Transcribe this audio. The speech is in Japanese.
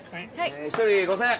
１人５，０００円！